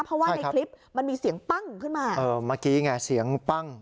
เพราะว่าในคลิปมันมีเสียงปั้งขึ้นมาเออเมื่อกี้ไงเสียงปั้ง